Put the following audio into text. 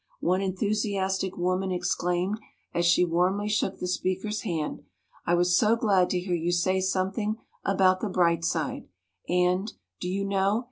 One enthusiastic woman ex claimed, as she warmly shook the speaker's hand, "I was so glad to hear you say some thing about the bright side, and do you know?